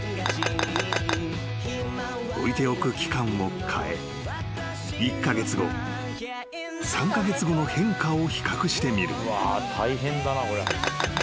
［置いておく期間を変え１カ月後３カ月後の変化を比較してみる］